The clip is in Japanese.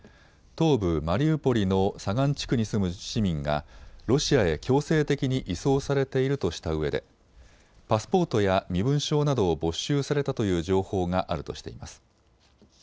東部マリウポリの左岸地区に住む市民がロシアへ強制的に移送されているとしたうえでパスポートや身分証などを没収されたという情報があるとしています。